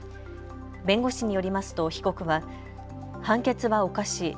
弁護士によりますと被告は判決はおかしい。